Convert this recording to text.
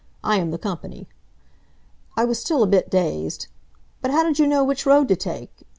I am the company." I was still a bit dazed. "But how did you know which road to take?